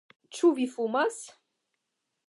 Ĉu vi fumas?